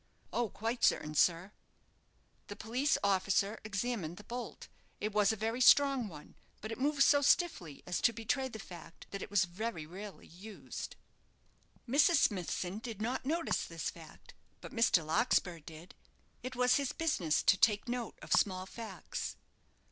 "Oh, quite certain, sir." The police officer examined the bolt. It was a very strong one; but it moved so stiffly as to betray the fact that it was very rarely used. Mrs. Smithson did not notice this fact; but Mr. Larkspur did. It was his business to take note of small facts.